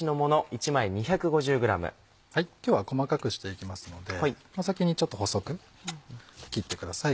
今日は細かくしていきますので先にちょっと細く切ってください